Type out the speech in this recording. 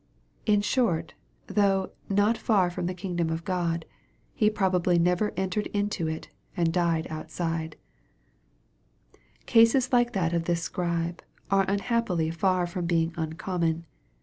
In short, though " not far from the kingdom of God," he probably never entered into it, and died outside, Cases like that of this Scribe, are unhappily far from being uncommon.